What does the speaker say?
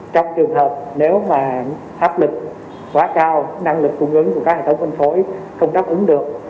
trong trường hợp nếu mà áp lực quá cao năng lực cung ứng của các hệ thống phân phối không đáp ứng được